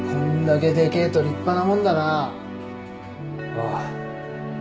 ああ。